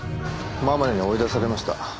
ママに追い出されました。